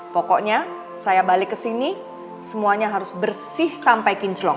pokoknya saya balik kesini semuanya harus bersih sampai kinclong